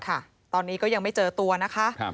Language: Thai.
ค่ะตอนนี้ก็ยังไม่เจอตัวนะคะ